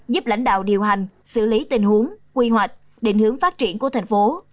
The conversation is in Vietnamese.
giúp lãnh đạo điều hành xử lý tình huống quy hoạch định hướng phát triển của thành phố